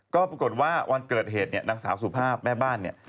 ก็ปรากฏว่าวันเกิดเหตุเนี่ยนางสาวสุภาพแม่บ้านเนี่ย